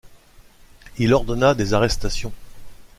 Il ordonna des arrestations.